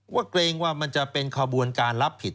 ว่าก็เองว่ามันจะเป็นกระบวนต่อการรับผิด